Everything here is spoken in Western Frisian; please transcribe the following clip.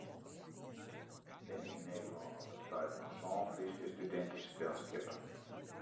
Der binne yn Nederlân op it stuit noch sân Fryske studinteselskippen.